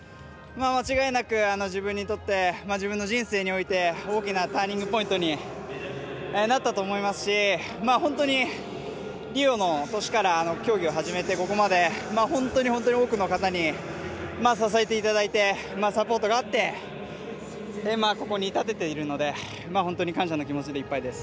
間違いなく自分の人生において大きなターニングポイントになったと思いますし本当に、リオの年から競技を始めて、ここまで本当に多くの方に支えていただいてサポートがあってここに立てているので本当に感謝の気持ちでいっぱいです。